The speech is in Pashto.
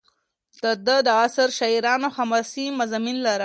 د ده د عصر شاعرانو حماسي مضامین لرل.